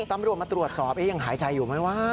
ตำรวจมาตรวจสอบยังหายใจอยู่ไหมวะ